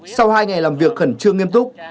sau hai ngày làm việc khẩn trương nghiêm túc